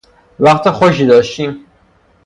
وقت خوشی داشتیم